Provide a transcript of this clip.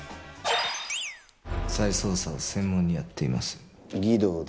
再捜査を専門にやっています。